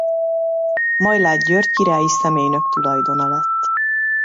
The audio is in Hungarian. Majláth György királyi személynök tulajdona lett.